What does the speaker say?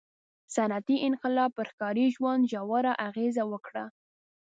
• صنعتي انقلاب پر ښاري ژوند ژوره اغېزه وکړه.